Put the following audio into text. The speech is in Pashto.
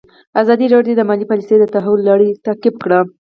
ازادي راډیو د مالي پالیسي د تحول لړۍ تعقیب کړې.